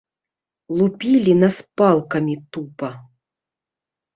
Лупілі нас палкамі тупа.